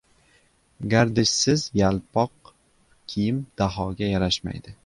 Gardishsiz yalpoq kiyim Dahoga yarashmadi.